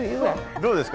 どうですか？